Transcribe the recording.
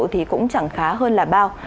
thì cũng chẳng khá hơn là bao